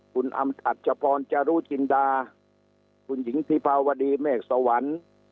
คุณอำถัชพรจารุจินดาคุณหญิงพิภาวดีเมฆสวรรค์